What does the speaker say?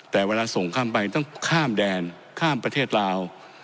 แต่เวลาส่งข้ามไปต้องข้ามแดนข้ามประเทศลาว